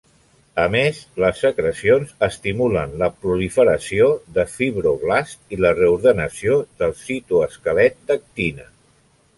A més, les secrecions estimulen la proliferació de fibroblasts i la reordenació del citoesquelet d'actina.